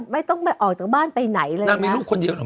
ไม่ต้องออกจากบ้านไปไหนเลยนะ